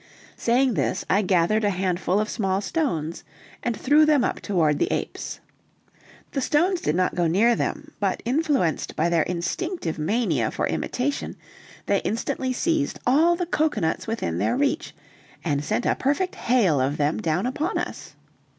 Saying this, I gathered a handful of small stones, and threw them up toward the apes. The stones did not go near them, but influenced by their instinctive mania for imitation, they instantly seized all the cocoanuts within their reach, and sent a perfect hail of them down upon us.